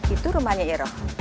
itu rumahnya iroh